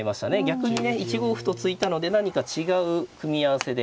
逆にね１五歩と突いたので何か違う組み合わせで。